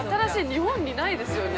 日本にないですよね